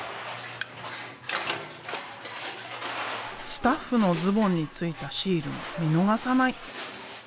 スタッフのズボンについたシールも見逃さない。